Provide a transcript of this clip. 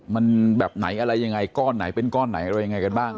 มันแบบไหนอะไรยังไงก้อนไหนเป็นก้อนไหนอะไรยังไงกันบ้าง